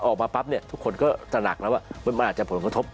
พอออกมาปั๊บทุกคนก็ตระหนักแล้วว่ามันอาจจะผลกระทบ